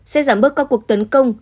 sẽ giảm bớt các cuộc tấn công